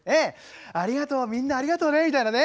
「ありがとうみんなありがとうね」みたいなね。